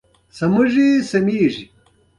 ایا ستاسو درملنه به وړیا نه وي؟